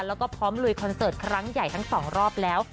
แล้วก็พร้อมลุยคอนเสิร์ตครั้งใหญ่ทั้งสองรอบแล้ว